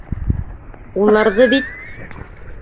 Уларҙы бит...